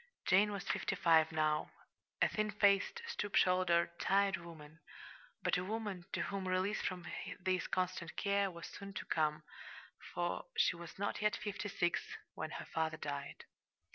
Jane was fifty five now, a thin faced, stoop shouldered, tired woman but a woman to whom release from this constant care was soon to come, for she was not yet fifty six when her father died.